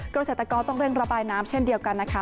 เกษตรกรต้องเร่งระบายน้ำเช่นเดียวกันนะคะ